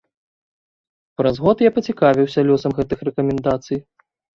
Праз год я пацікавіўся лёсам гэтых рэкамендацый.